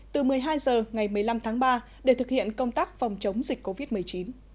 từ một mươi hai h ngày một mươi năm tháng ba để thực hiện công tác phòng chống dịch covid một mươi chín